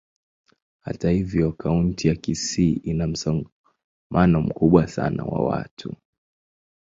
Hata hivyo, kaunti ya Kisii ina msongamano mkubwa sana wa watu.